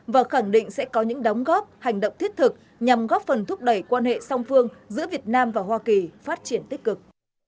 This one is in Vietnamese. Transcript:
và khẳng định sẽ có những đóng góp hành động thiết thực nhằm góp phần thúc đẩy quan hệ song phương giữa việt nam và hoa kỳ phát triển tích cực